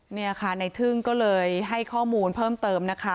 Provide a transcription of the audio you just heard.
เนี่ยค่ะในทึ่งก็เลยให้ข้อมูลเพิ่มเติมนะคะ